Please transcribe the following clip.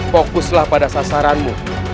fokuslah pada sasaranmu